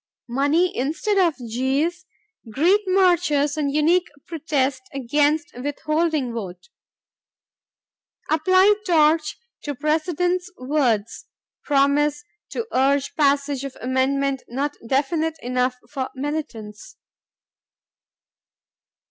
." "Money Instead of Jeers Greet Marchers and Unique Protest Against Withholding Vote" ... "Apply Torch to President's Words ... Promise to Urge Passage of Amendment Not Definite Enough for Militants."